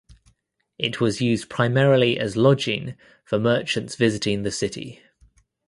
It was used primarily as lodging for merchants visiting the city.